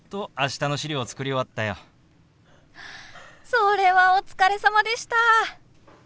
それはお疲れさまでした！